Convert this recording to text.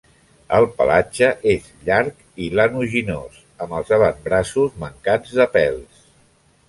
El pelatge és llarg i lanuginós, amb els avantbraços mancats de pèls.